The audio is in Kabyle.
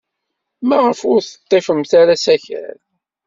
Maɣef ur teḍḍifemt ara asakal?